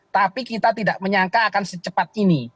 tapi kita tidak menyangka akan secepat ini